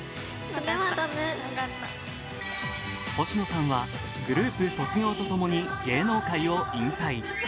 星野さんはグループ卒業とともに芸能界を引退。